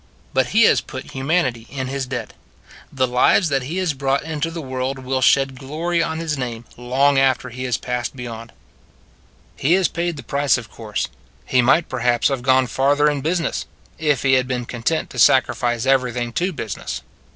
But he has put humanity in his debt. The lives that he has brought into the world will shed glory on his name long after he has passed beyond. He has paid the price, of course; he might perhaps have gone farther in busi ness if he had been content to sacrifice everything to business.